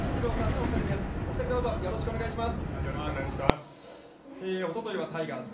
お二人、どうぞよろしくお願いします。